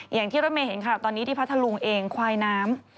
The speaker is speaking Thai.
อย่างที่เรามาเห็นครับตอนนี้ที่พัทลุงเองควายน้ำ